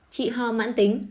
trị ho mãn tính